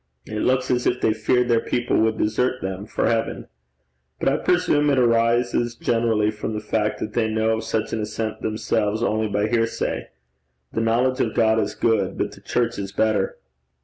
It looks as if they feared their people would desert them for heaven. But I presume it arises generally from the fact that they know of such an ascent themselves, only by hearsay. The knowledge of God is good, but the church is better!'